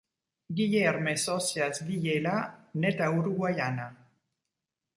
Guilherme Socias Villela naît le à Uruguaiana.